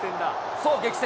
そう激戦。